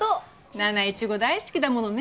奈々いちご大好きだものね？